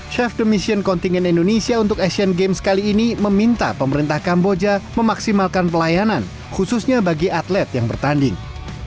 chef de mission contingen indonesia untuk asian games kali ini meminta pemerintah kamboja memaksimalkan pelayanan khususnya bagi atlet yang bertanding